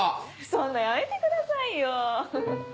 そんなやめてくださいよフフ。